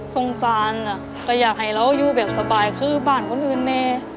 สงสารก็อยากให้เราอยู่แบบสบายคือบ้านคนอื่นแน่